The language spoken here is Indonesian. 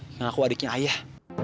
yang ngaku adiknya ayah